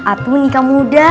apun nikah muda